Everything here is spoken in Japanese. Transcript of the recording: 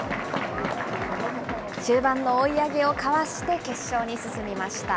終盤の追い上げをかわして決勝に進みました。